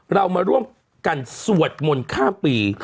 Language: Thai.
เรามาร่วมกันสวดมนต์ข้ามปี